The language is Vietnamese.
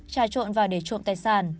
tra trộn vào để trộm tài sản